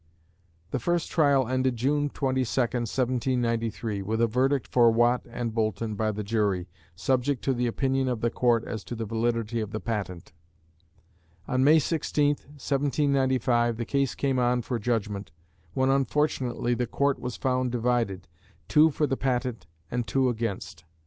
The first trial ended June 22, 1793, with a verdict for Watt and Boulton by the jury, subject to the opinion of the court as to the validity of the patent. On May 16, 1795, the case came on for judgment, when unfortunately the court was found divided, two for the patent and two against.